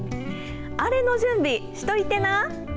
アレの準備しといてな。